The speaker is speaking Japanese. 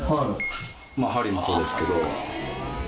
まあ梁もそうですけど。